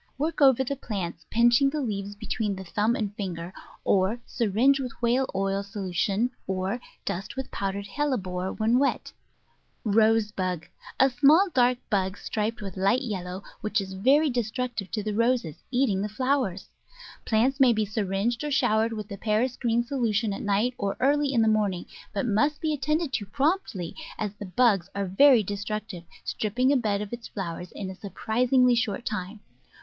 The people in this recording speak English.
Work over the plants, pinching the leaves between thumb and finger, or syringe with whale oil solution, or dust with powdered hellebore when wet Digitized by Google Twenty three] ^jfoS attU CtlDfil *49 Rose Bug — a small, dark bug striped with light yellow, which is very destructive to the Roses, eating the flowers. Plants may be syringed, or showered with the Paris green solution at night or early in the morning, but must be attended to promptly, as the bugs are very destructive, stripping a bed of its flow ers in a surprisingly short time.